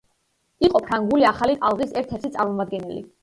იყო ფრანგული ახალი ტალღის ერთ-ერთი წარმოამდგენელი.